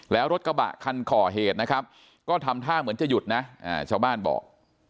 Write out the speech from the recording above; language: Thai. แล้วรถกระบะคันก่อเหตุนะครับก็ทำท่าเหมือนจะหยุดนะชาวบ้านบอก